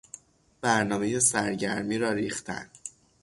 برنامهی سرگرمی را ریختن